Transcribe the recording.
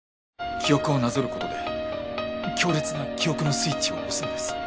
記憶をなぞる事で強烈な記憶のスイッチを押すんです。